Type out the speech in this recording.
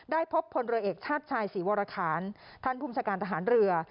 พบพลเรือเอกชาติชายศรีวรคารท่านภูมิชาการทหารเรือ